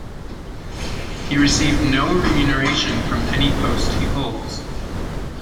He received no remuneration from any post he holds.